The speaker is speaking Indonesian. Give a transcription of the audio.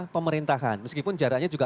pemerintahan meskipun jaraknya juga